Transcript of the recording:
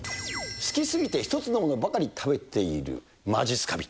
好きすぎて一つのものばかり食べているまじっすか人。